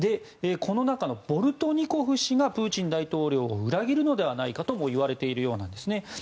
この中のボルトニコフ氏がプーチン大統領を裏切るのではないかともいわれているようなんですね。